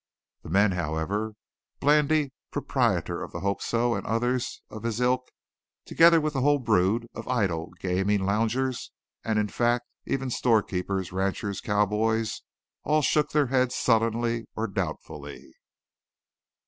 The men, however Blandy, proprietor of the Hope So, and others of his ilk, together with the whole brood of idle gaming loungers, and in fact even storekeepers, ranchers, cowboys all shook their heads sullenly or doubtfully.